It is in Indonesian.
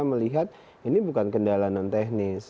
saya melihat ini bukan kendala non teknis